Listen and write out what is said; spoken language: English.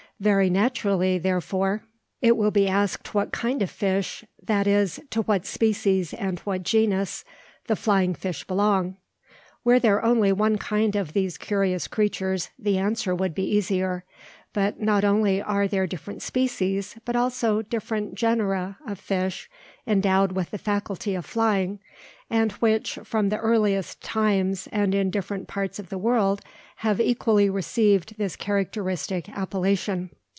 Very naturally, therefore, it will be asked what kind of fish, that is, to what species and what genus the flying fish belong. Were there only one kind of these curious creatures the answer would be easier. But not only are there different species, but also different "genera" of fish endowed with the faculty of flying, and which from the earliest times and in different parts of the world have equally received this characteristic appellation.